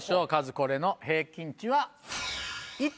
これの平均値は。